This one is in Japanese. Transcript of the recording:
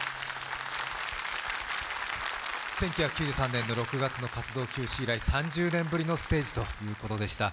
１９９３年の６月の活動休止以来３０年ぶりのステージということでした。